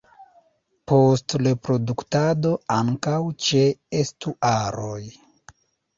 Post reproduktado ankaŭ ĉe estuaroj.